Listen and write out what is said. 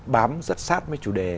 bám rất sát với chủ đề